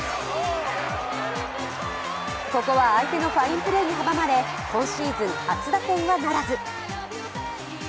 ここは相手のファインプレーに阻まれ今シーズン初打点はならず。